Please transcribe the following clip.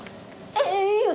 えっいいよ。